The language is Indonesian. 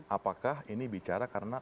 apakah ini bicara karena